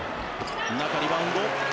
中、リバウンド。